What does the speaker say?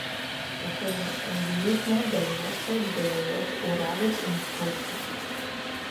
Es un endemismo del norte de los Urales en Rusia.